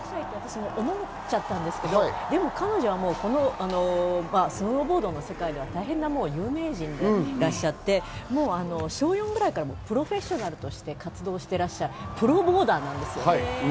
彼女はスノーボードの世界では大変な有名人でらっしゃって、小４ぐらいからプロフェッショナルとして活動してらっしゃって、プロボーダーなんですよ。